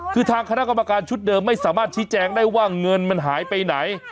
คือทางคณะกรรมการชุดเดิมไม่สามารถชี้แจงได้ว่าเงินมันหายไปไหน